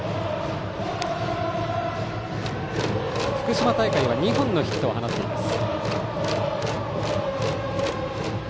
福島大会は２本のヒットを放っています。